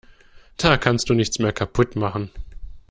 Da kannst du nichts mehr kaputt machen.